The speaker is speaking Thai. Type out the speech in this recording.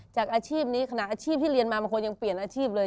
จากอาชีพนี้ขณะอาชีพที่เรียนมาบางคนยังเปลี่ยนอาชีพเลย